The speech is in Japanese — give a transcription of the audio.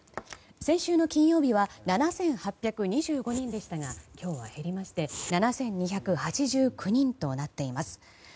先週の金曜日は７８２５人でしたが今日は減りまして７２８９人となっています。